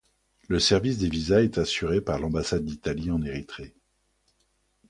Le service des visas est assuré par l'ambassade d'Italie en Érythrée.